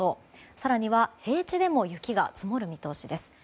更には、平地でも雪が積もる見通しです。